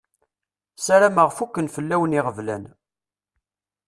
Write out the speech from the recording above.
Sarameɣ fukken fell-awen iɣeblan.